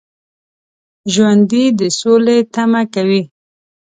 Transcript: ژوندي د سولې تمه کوي